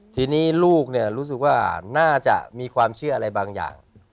ทีนี้ลูกรู้สึกว่าน่าจะมีความเชื่ออะไรบางอย่าง